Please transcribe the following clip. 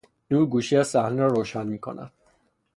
نور گوشه ای از صحنه را روشن می کند